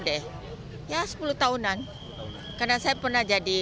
di perayaan natal tahun ini pastor leo berpesan kepada romo yang muda